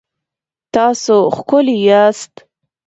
تاسو ښکلي یاست